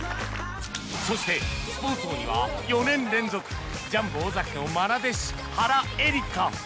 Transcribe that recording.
そして『スポーツ王』には４年連続ジャンボ尾崎の愛弟子原英莉花